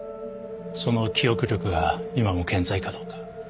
その記憶力が今も健在かどうか。